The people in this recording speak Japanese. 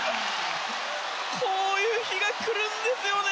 こういう日が来るんですよね